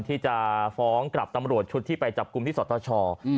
ที่จะฟ้องกลับตำรวจชุดที่ไปจับกลุ่มที่สตช